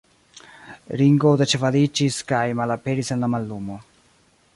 Ringo deĉevaliĝis kaj malaperis en la mallumo.